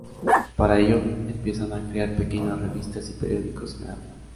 Para ello empiezan a crear pequeñas revistas y periódicos en árabe.